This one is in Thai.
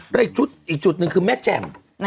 และอีกจุดหนึ่งคือแม่แจ่ม